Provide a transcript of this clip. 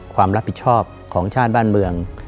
ความรับผิดชอบของชาติบ้านเมือง